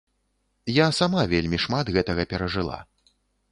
Я сама вельмі шмат гэтага перажыла.